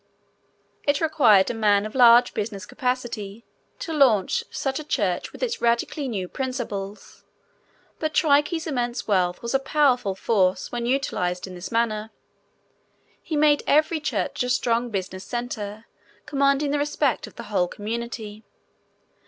It required a man of large business capacity to launch such a church with its radically new principles. But Trique's immense wealth was a powerful force when utilized in this manner. He made every church a strong business center commanding the respect of the whole community.